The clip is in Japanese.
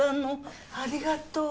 ありがとう。